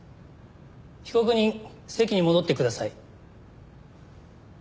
被告人席に戻ってください。